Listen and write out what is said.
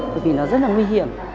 bởi vì nó rất là nguy hiểm